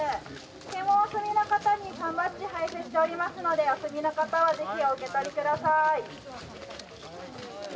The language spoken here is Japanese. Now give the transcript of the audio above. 検温お済みの方に缶バッジ配布しておりますのでお済みの方は是非お受け取り下さい」。